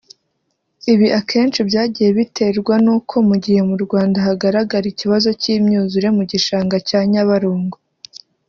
Ibi akenshi byagiye biterwa n’uko mu gihe mu Rwanda hagaragara ikibazo cy’imyuzure mu gishanga cya Nyabarongo